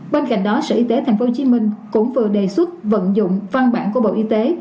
bên cạnh đó sở y tế tp hcm cũng vừa đề xuất vận dụng văn bản của bộ y tế